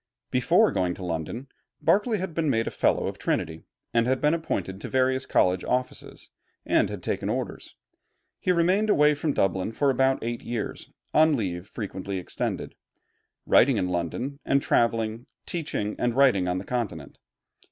Before going to London, Berkeley had been made a Fellow of Trinity, had been appointed to various college offices, and had taken orders. He remained away from Dublin for about eight years, on leave frequently extended, writing in London, and traveling, teaching, and writing on the Continent.